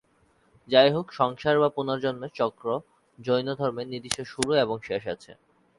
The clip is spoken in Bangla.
যাইহোক, সংসার বা পুনর্জন্মের চক্র, জৈন ধর্মে নির্দিষ্ট শুরু এবং শেষ আছে।